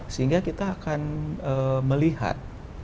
sehingga kita akan melihat